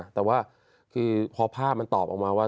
แต่ว่าคือพอภาพมันตอบออกมาว่า